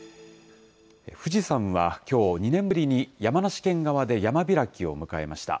富士山はきょう、２年ぶりに山梨県側で山開きを迎えました。